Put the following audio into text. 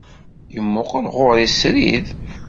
Yemmuqqel ɣur-i srid.